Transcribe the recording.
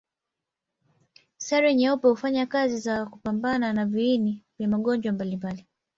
Seli nyeupe hufanya kazi ya kupambana na viini vya magonjwa mbalimbali.